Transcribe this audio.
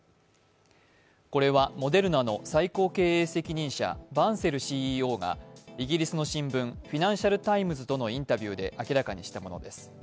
これはモデルナの最高経営責任者、バンセルＣＥＯがイギリスの新聞、「フィナンシャル・タイムズ」とのインタビューで明らかにしたものです。